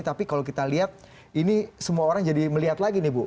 tapi kalau kita lihat ini semua orang jadi melihat lagi nih bu